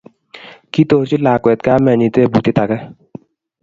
Kitorchi lakwet kamenyi tebutiet age